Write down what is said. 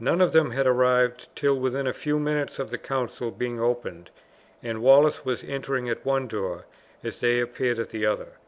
None of them had arrived till within a few minutes of the council being opened, and Wallace was entering at one door as they appeared at the other.